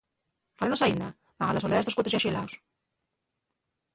Fálanos aínda, magar la soledá d'estos cuetos yá xelaos.